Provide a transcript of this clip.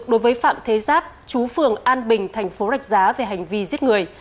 đối với phạm thế giáp chú phường an bình thành phố rạch giá về hành vi giết người